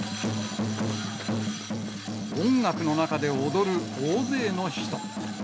音楽の中で踊る大勢の人。